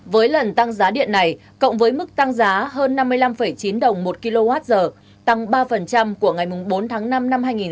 với lần tăng giá điện này cộng với mức tăng giá hơn năm mươi năm chín đồng một kwh tăng ba của ngày bốn tháng năm năm hai nghìn hai mươi